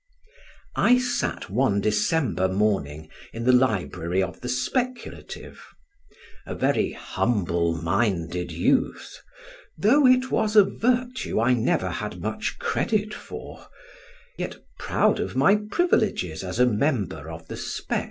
I sat one December morning in the library of the Speculative; a very humble minded youth, though it was a virtue I never had much credit for; yet proud of my privileges as a member of the Spec.